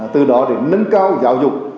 từ đó để nâng cao giáo dục